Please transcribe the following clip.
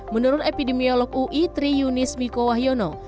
menurut epidemiolog ui tri yunis miko wahyono